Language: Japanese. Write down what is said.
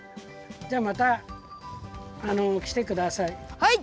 じゃあまたきてください。